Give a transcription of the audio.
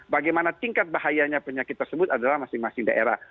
bagaimana tingkat bahayanya penyakit tersebut adalah masing masing daerah